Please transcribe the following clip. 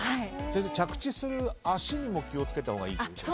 先生、着地する脚にも気を付けたほうがいいと。